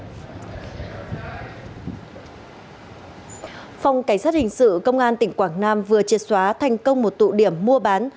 phòng cảnh sát hình sự công an tỉnh quảng nam vừa triệt xóa thành công một tụ điểm mua bán